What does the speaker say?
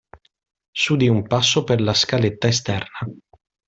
S'udì un passo per la scaletta esterna.